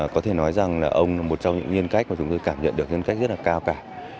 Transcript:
có thể nói rằng là ông là một trong những nhân cách mà chúng tôi cảm nhận được nhân cách rất là cao cả